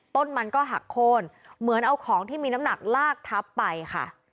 ต้นมันก็หักโค้นเหมือนเอาของที่มีน้ำหนักลากทับไปค่ะ